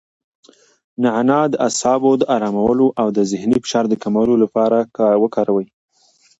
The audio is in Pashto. نعناع د اعصابو د ارامولو او د ذهني فشار د کمولو لپاره وکاروئ.